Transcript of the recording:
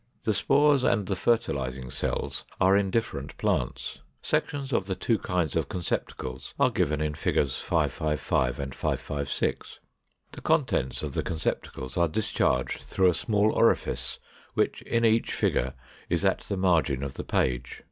The spores and the fertilizing cells are in different plants. Sections of the two kinds of conceptacles are given in Fig. 555 and 556. The contents of the conceptacles are discharged through a small orifice which in each figure is at the margin of the page.